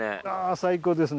最高ですね。